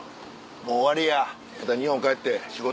もう終わりや。